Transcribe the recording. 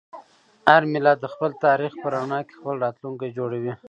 هر ملت د خپل تاریخ په رڼا کې خپل راتلونکی جوړوي.